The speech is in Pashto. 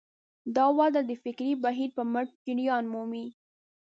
دا وده د فکري بهیر په مټ جریان مومي.